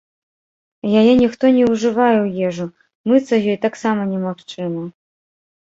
Яе ніхто не ўжывае ў ежу, мыцца ёй таксама немагчыма.